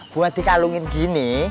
buat dikalungin gini